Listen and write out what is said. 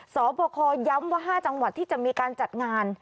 สอบคอย้ำว่า๕จังหวัดที่จะมีการจัดงาน